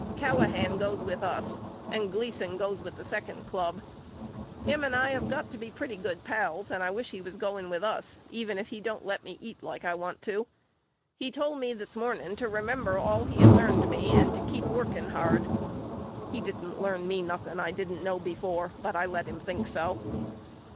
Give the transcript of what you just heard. Callahan goes with us and Gleason goes with the second club. Him and I have got to be pretty good pals and I wish he was going with us even if he don't let me eat like I want to. He told me this morning to remember all he had learned me and to keep working hard. He didn't learn me nothing I didn't know before but I let him think so.